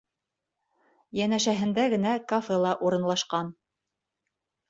Йәнәшәһендә генә кафе ла урынлашҡан.